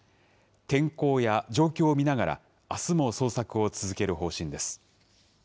天候や状況を見ながら、あすも捜索を続ける方針です。